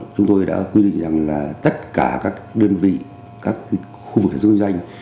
chúng tôi đã quy định rằng là tất cả các đơn vị các khu vực dân doanh